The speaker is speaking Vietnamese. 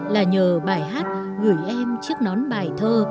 là nhờ bài hát gửi em chiếc nón bài thơ